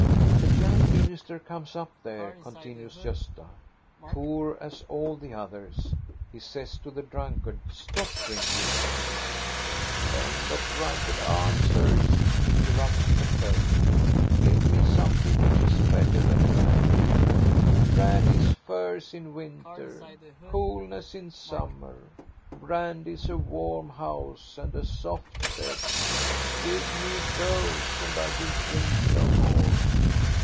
" The young minister comes up there," continues Gosta, "poor as all the others. He says to the drunkard : Stop drinking !"" Then the drunkard answers," interrupts the clergy man: "Give me something which is better than brandy ! Brandy is furs in winter, coolness in sum mer. Brandy is a warm house and a soft bed. Give me those, and I will drink no more."